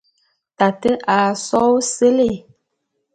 Tate a só ôséle.